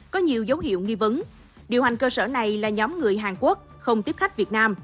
có nhiều dấu hiệu nghi vấn điều hành cơ sở này là nhóm người hàn quốc không tiếp khách việt nam